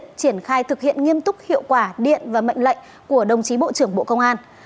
triển khai thực hiện nghiêm túc hiệu quả điện và mệnh lệnh của đồng chí bộ trưởng bộ công an